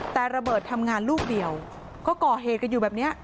แต่ระเบิดทำงานลูกเดียวก็ก่อเหตุกันอยู่แบบนี้